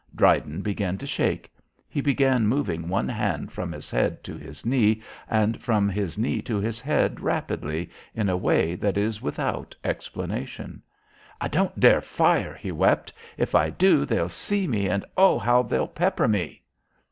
Dryden began to shake. He began moving one hand from his head to his knee and from his knee to his head rapidly, in a way that is without explanation. "I don't dare fire," he wept. "If I do they'll see me, and oh, how they'll pepper me!"